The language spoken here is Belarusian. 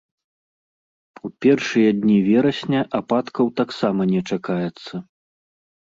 У першыя дні верасня ападкаў таксама не чакаецца.